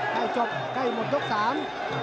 ให้จบใกล้หมดยกสาม